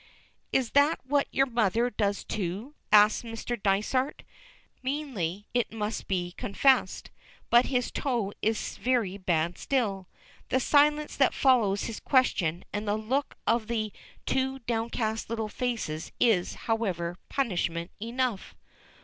"Is that what your mother does, too?" asks Mr. Dysart, meanly it must be confessed, but his toe is very bad still. The silence that follows his question and the look of the two downcast little faces is, however, punishment enough.